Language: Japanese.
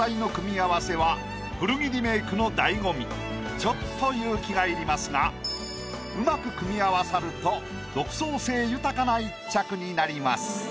ちょっと勇気がいりますがうまく組み合わさると独創性豊かな１着になります。